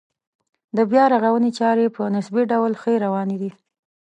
د بیا رغونې چارې په نسبي ډول ښې روانې دي.